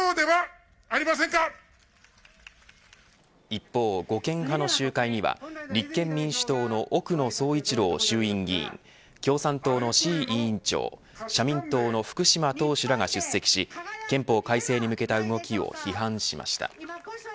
一方、護憲派の集会には立憲民主党の奥野総一郎衆議院議員共産党の志位委員長社民党の福島党首らが出席し憲法改正に向けた動きを批判しました。